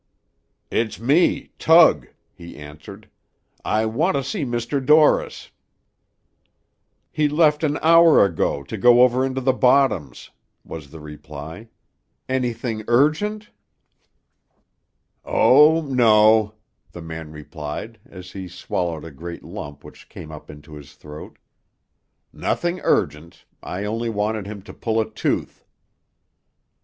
"It's me, Tug," he answered, "I want to see Dr. Dorris." "He left an hour ago, to go over into the bottoms," was the reply. "Anything urgent?" "Oh, no," the man replied, as he swallowed a great lump which came up into his throat. "Nothing urgent; I only wanted him to pull a tooth."